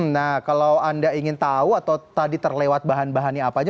nah kalau anda ingin tahu atau tadi terlewat bahan bahannya apa aja